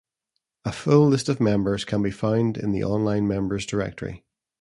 A full list of members can be found in the online members directory.